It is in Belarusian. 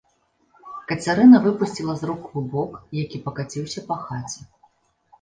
Кацярына выпусціла з рук клубок, які пакаціўся па хаце.